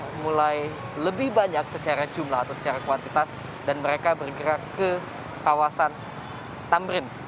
masa dari arah tugutani ini sudah mulai lebih banyak secara jumlah atau secara kuantitas dan mereka bergerak ke kawasan tamrin